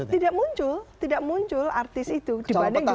tidak muncul tidak muncul artis itu dibanding dulu